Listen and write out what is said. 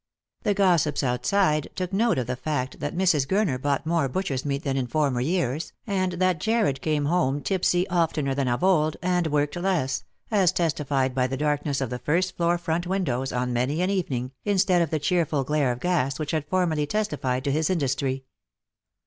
The gossips outside took note of the fact that Mrs. Gurner bought more butcher's meat than in former years, and that Jarred came home tipsy oftener than of old, and worked less, as testified by the darkness of the first floor front windows on many an evening, instead of the cheerful glare of gas which had formerly testified to his industry.